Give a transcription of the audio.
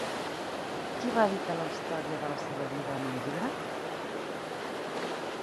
Qui va editar la història de la seva vida en un llibre?